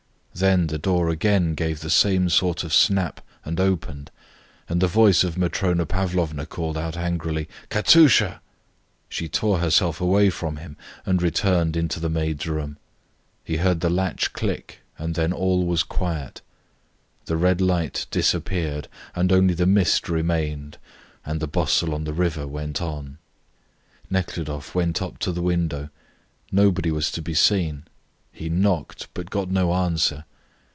Then the door again gave the same sort of snap and opened, and the voice of Matrona Pavlovna called out angrily, "Katusha!" She tore herself away from him and returned into the maids' room. He heard the latch click, and then all was quiet. The red light disappeared and only the mist remained, and the bustle on the river went on. Nekhludoff went up to the window, nobody was to be seen; he knocked, but got no answer.